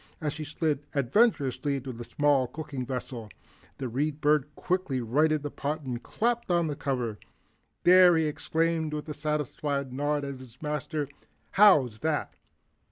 As she slid adventurously into the small cooking vessel, the Read Bird quickly righted the pot and clapped on the cover. "There," he exclaimed with a satisfied nod at his Master, "how's that?"